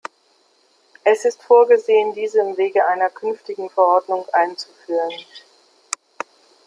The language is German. Es ist vorgesehen, diese im Wege einer künftigen Verordnung einzuführen.